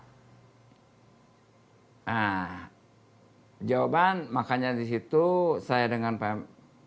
nah jawaban makanya disitu saya dengan pnm juga